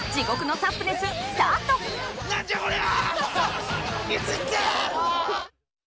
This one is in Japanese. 何じゃこりゃ！